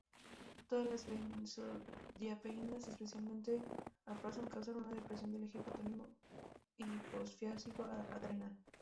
Todas las benzodiazepinas, especialmente el alprazolam, causan una depresión del eje hipotalámico-hiposfisario-adrenal.